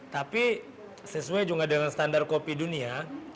tapi sesuai juga dengan standar kopi dunia